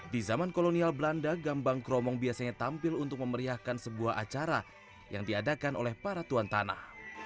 di zaman kolonial belanda gambang kromong biasanya tampil untuk memeriahkan sebuah acara yang diadakan oleh para tuan tanah